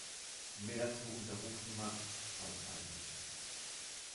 Mehr dazu unter Rufnummer: Schreibweise.